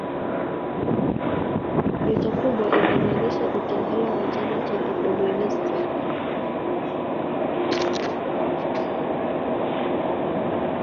Nyota kubwa inamaanisha utawala wa chama cha kikomunisti.